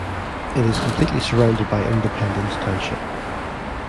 It is completely surrounded by Independence Township.